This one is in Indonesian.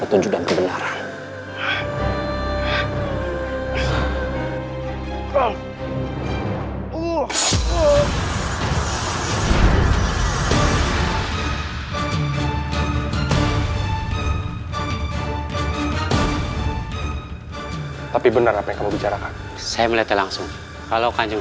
tujuan kebenaran tapi benar apa yang kamu bicarakan saya melihat langsung kalau kanjeng